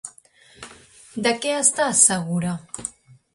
De què està segura?